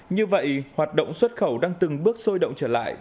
như vậy hoạt động xuất khẩu đang từng bước sôi động trở lại